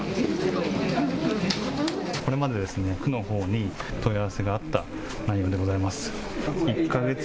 これまで区のほうに問い合わせがあった内容でございます。